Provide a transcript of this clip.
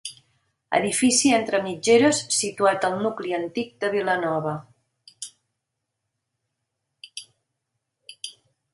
Edifici entre mitgeres situat al nucli antic de Vilanova.